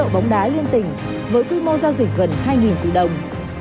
bóng đá liên tỉnh với quy mô giao dịch gần hai tỷ đồng